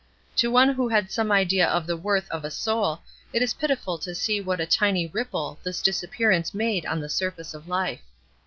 To one who had some idea of the worth of a soul, it was pitiful to see what a tiny ripple this disappearance made on the surface of life.